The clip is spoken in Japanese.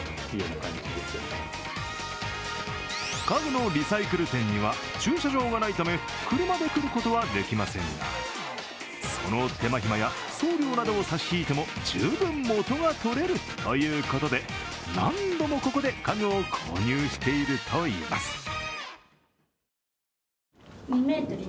家具のリサイクル展には駐車場がないため車で来ることはできませんが、その手間暇や送料などを差し引いても、十分元が取れるということで何度もここで家具を購入しているといいます。